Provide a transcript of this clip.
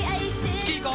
スキー行こう。